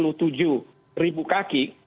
itu masih diberi keberatan